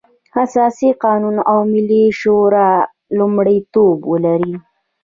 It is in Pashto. اساسي قانون او ملي شورا لومړيتوب ولري.